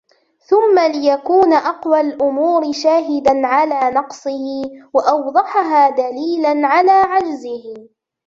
ثُمَّ لِيَكُونَ أَقْوَى الْأُمُورِ شَاهِدًا عَلَى نَقْصِهِ ، وَأَوْضَحَهَا دَلِيلًا عَلَى عَجْزِهِ